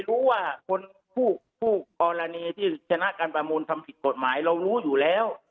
รู้ว่าคนผู้กรณีที่ชนะการประมูลทำผิดกฎหมายเรารู้อยู่แล้ว